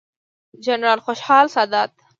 جنرال خوشحال سادات،